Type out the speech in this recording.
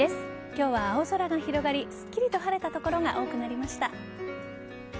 今日は青空が広がりすっきりと晴れた所が多くなりました。